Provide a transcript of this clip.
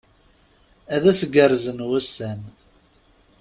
Ad as-gerrzen wussan!